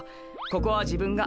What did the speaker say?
ここは自分が。